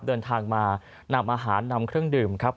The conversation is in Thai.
เดินทางมานำอาหารนำเครื่องดื่มครับ